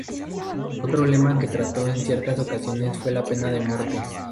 Otro tema que trató en ciertas ocasiones fue la pena de muerte.